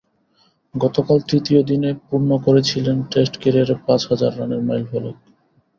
গতকাল তৃতীয় দিনে পূর্ণ করেছিলেন টেস্ট ক্যারিয়ারে পাঁচ হাজার রানের মাইলফলক।